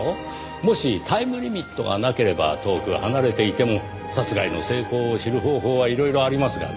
もしタイムリミットがなければ遠く離れていても殺害の成功を知る方法はいろいろありますがね。